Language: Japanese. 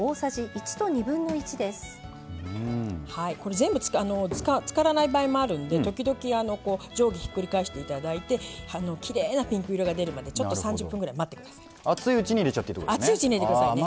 全部漬からない場合もあるので時々上下ひっくり返していただいてきれいなピンク色が出るまで３０分ぐらい熱いうちに入れちゃっていいですよね。